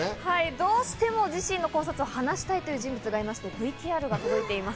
どうしても自身の考察を話したいという方からＶＴＲが届いています。